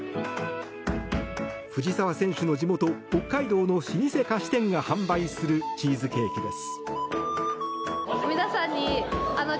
藤澤選手の地元北海道の老舗菓子店が販売するチーズケーキです。